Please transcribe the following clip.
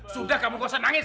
sudah kamu nggak usah nangis